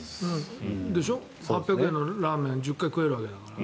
８００円のラーメンを１０回食えるわけだから。